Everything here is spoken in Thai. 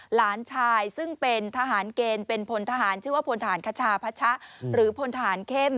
หลานชายท่านเกรนผนทหารคชาพสหรือพนทหารเข้ม